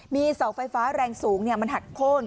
มีเสาไฟฟ้าแรงสูงเนี่ยมันหักโค้นคุณดูนะ